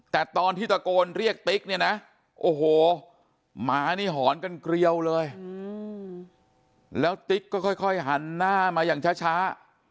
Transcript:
แต่ตอนที่ตะโกนเรียกติ๊กเนี่ยนะโอ้โหหมานี่หอนกันเกลียวเลยแล้วติ๊กก็ค่อยหันหน้ามาอย่างช้า